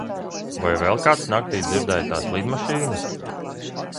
Vai vēl kāds naktī dzirdēja tās lidmašīnas?